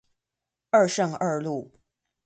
二聖二路